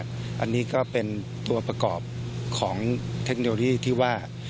อันนี้ก็เป็นตัวประกอบของเทคโนโลยีที่ว่า